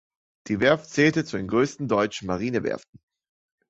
Die Werft zählte zu den größten deutschen Marinewerften.